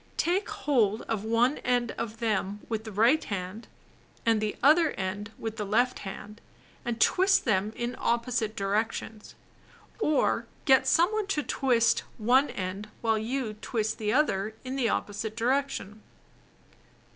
Take hold of one end of them with the right hand, and the other end with the left hand, and twist them in opposite directions. Or get some one else to twist one end while you twist the other in the opposite direction.